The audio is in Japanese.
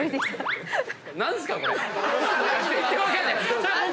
全然分かんない！